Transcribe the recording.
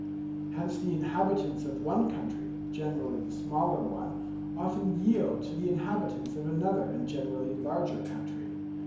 Hence the inhabitants of one country, generally the smaller one, often yield to the inhabitants of another and generally the larger country.